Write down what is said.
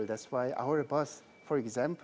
itulah mengapa truk kami